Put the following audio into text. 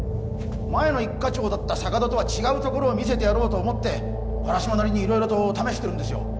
前の一課長だった坂戸とは違うところを見せてやろうと思って原島なりに色々と試してるんですよ